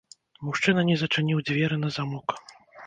Мужчына не зачыніў дзверы на замок.